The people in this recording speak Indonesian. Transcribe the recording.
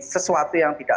sesuatu yang tidak